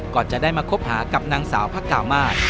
ก่อนจะได้มาคบหากับนางสาวพระกามาศ